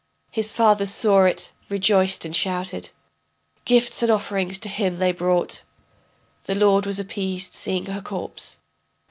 His fathers saw it, rejoiced and shouted. Gifts and offerings to him they brought. The lord was appeased seeing her corpse.